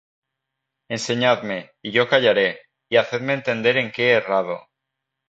Enseñadme, y yo callaré: Y hacedme entender en qué he errado.